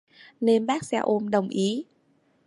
nên bác xe ôm đồng ý